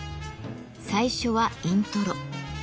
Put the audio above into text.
最初は「イントロ」